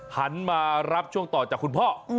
หันมารับช่วงต่อจากคุณพ่อ